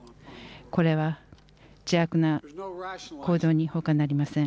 これは邪悪な行動にほかなりません。